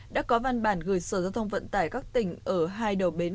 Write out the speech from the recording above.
đã có văn bản gửi sở giao thông vận tải các tỉnh ở hai đầu bến